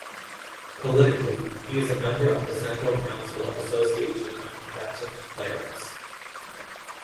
Politically, he is a member of the Central Council of Association of Combatant Clerics.